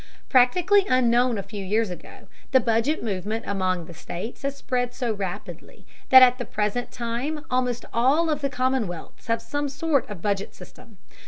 Practically unknown a few years ago, the budget movement among the states has spread so rapidly that at the present time almost all of the commonwealths have some sort of budget system.